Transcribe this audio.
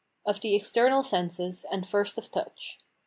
Of the external senses; and first of touch.